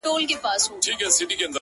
دا ډېوه به ووژنې” ماته چي وهې سترگي”